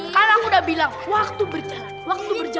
kan aku udah bilang waktu berjalan